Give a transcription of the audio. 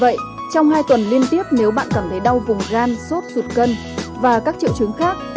vậy trong hai tuần liên tiếp nếu bạn cảm thấy đau vùng gan sốt sụt cân và các triệu chứng khác